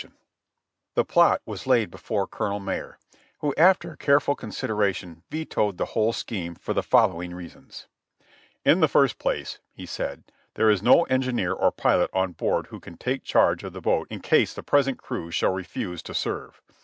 208 JOHNNY REB AND BILLY YANK The plot was laid before Colonel Marye, who after careful con sideration vetoed the whole scheme for the following reasons : "In the first place," he said, "there is no engineer or pilot on board who can take charge of the boat in case the present crew shall refuse to serve.